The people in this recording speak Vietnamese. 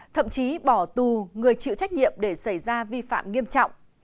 thậm chí bỏ tù người chịu trách nhiệm để xảy ra vi phạm nghiêm trọng